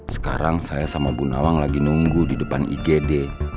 sekarang saya sama bu nawang lagi nunggu di depan igd